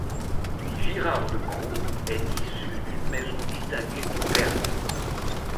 Girard de Cros est issu d'une maison distinguée d'Auvergne.